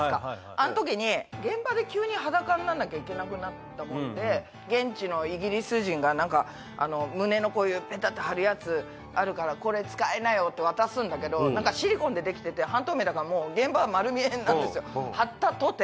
あん時に。になんなきゃいけなくなったもんで現地のイギリス人が何か胸のこういうペタって貼るやつあるからこれ使いなよって渡すんだけどシリコンで出来てて半透明だから現場は丸見えなんですよ貼ったとて。